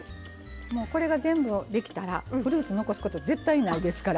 もうこれが全部できたらフルーツ残すこと絶対にないですから。